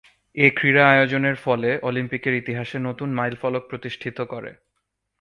এ ক্রীড়া আয়োজনের ফলে অলিম্পিকের ইতিহাসে নতুন মাইলফলক প্রতিষ্ঠিত করে।